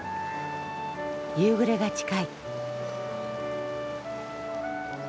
夕暮れが近い。